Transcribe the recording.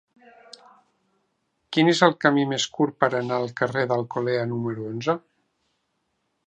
Quin és el camí més curt per anar al carrer d'Alcolea número onze?